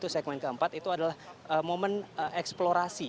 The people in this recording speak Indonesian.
segmen ke empat itu adalah momen eksplorasi